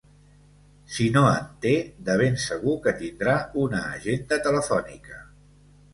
Si no en té, de ben segur que tindrà una agenda telefònica.